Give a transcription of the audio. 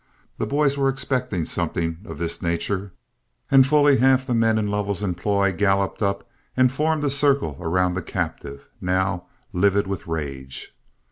The boys were expecting something of this nature, and fully half the men in Lovell's employ galloped up and formed a circle around the captive, now livid with rage.